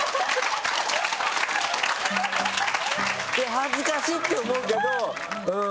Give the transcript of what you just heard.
恥ずかしい！って思うけど。